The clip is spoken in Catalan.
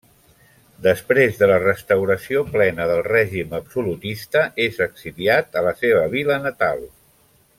Després de la restauració plena del règim absolutista és exiliat a la seva vila natal.